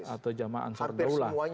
atau jamaat ansar daulah